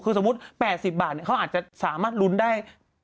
คือสมมุติ๘๐บาทเขาอาจจะสามารถลุ้นได้